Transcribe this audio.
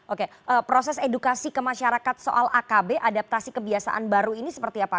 oke proses edukasi ke masyarakat soal akb adaptasi kebiasaan baru ini seperti apa